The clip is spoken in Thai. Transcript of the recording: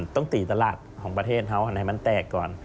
ต้องตีตลาดของประเทศเขาให้มันแตกก่อน